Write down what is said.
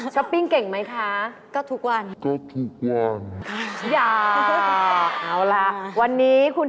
ปิ้งเก่งไหมคะก็ทุกวัน